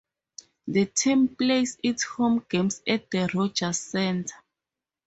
The team plays its home games at the Rogers Centre.